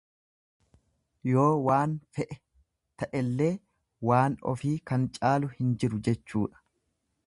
Yoo waan fe'e ta'ellee waan ofii kan caalu hin jiru jechuudha.